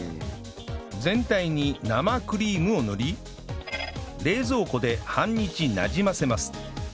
全体に生クリームを塗り冷蔵庫で半日なじませます